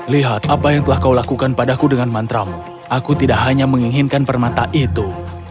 lihat apa yang telah kau lakukan padaku dengan mantramu aku tidak hanya menginginkan permata itu